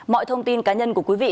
mọi thông tin cá nhân của quý vị